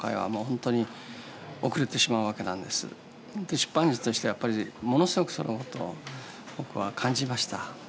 出版人としてはやっぱりものすごくそのことを僕は感じました。